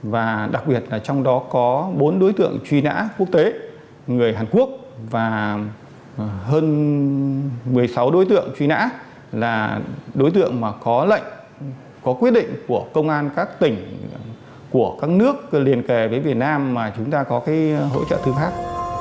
và đặc biệt là trong đó có bốn đối tượng truy nã quốc tế người hàn quốc và hơn một mươi sáu đối tượng truy nã là đối tượng có lệnh có quyết định của công an các tỉnh của các nước liên kề với việt nam mà chúng ta có hỗ trợ thư pháp